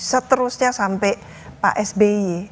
seterusnya sampai pak sby